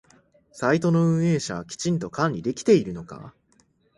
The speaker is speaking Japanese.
サイトの運営者はきちんと管理できているのか？